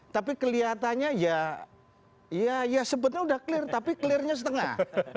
tapi kelihatannya ya sebetulnya sudah clear tapi clearnya setengah